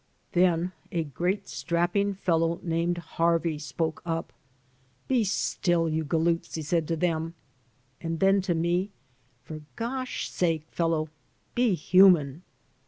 Then a great, strapping fellow named Harney spoke up. ''Be stOI, you galoots,*' he said to them; and then to me, ''For gosh sake, fdlow, be human!"